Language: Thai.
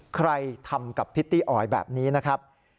ใครทำกับพิตตี้ออยแบบนี้นะครับ